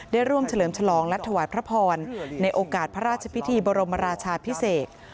ได้ร่วมเฉลิมฉลองและถวายพระพรในโอกาสพระราชพิธีบรมราชาพิเศษ